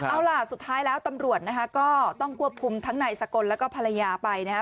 เอาล่ะสุดท้ายแล้วตำรวจนะคะก็ต้องควบคุมทั้งนายสกลแล้วก็ภรรยาไปนะฮะ